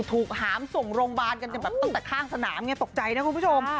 หามส่งโรงพยาบาลกันแบบตั้งแต่ข้างสนามไงตกใจนะคุณผู้ชม